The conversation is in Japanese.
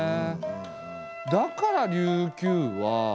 だから琉球は。